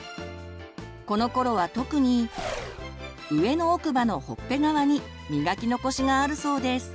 このころは特に上の奥歯のほっぺ側に磨き残しがあるそうです。